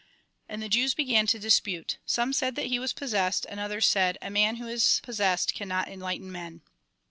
And the Jews began to dispute. Some said that he was possessed, and others said :" A man who is possessed cannot enlighten men."